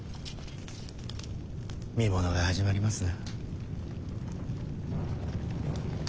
見ものが始まりますな。